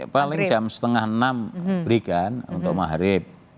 paling jam setengah enam berikan untuk maghrib